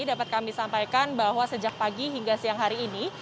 dapat kami sampaikan bahwa sejak pagi hingga siang hari ini